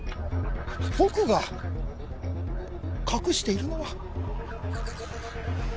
僕が隠しているのは。